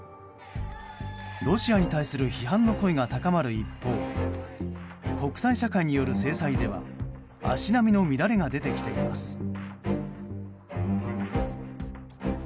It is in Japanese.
ロシアに対する批判の声が高まる一方国際社会による制裁では足並みの乱れが出てきています。